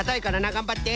がんばって。